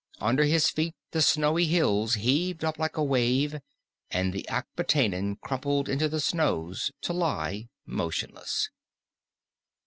Under his feet the snowy hills heaved up like a wave, and the Akbitanan crumpled into the snows to lie motionless.